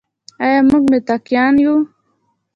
آیا موږ متقیان یو؟